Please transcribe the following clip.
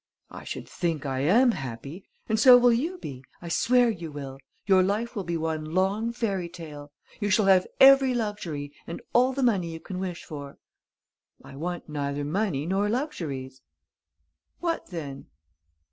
"I should think I am happy! And so will you be, I swear you will! Your life will be one long fairy tale. You shall have every luxury, and all the money you can wish for." "I want neither money nor luxuries." "What then?"